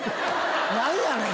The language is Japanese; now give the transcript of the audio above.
何やねん！